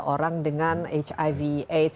orang dengan hiv aids